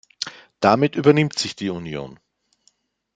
Damit übernimmt sich die Union.